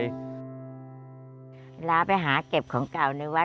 เวลาไปหาเก็บของเก่าในวัด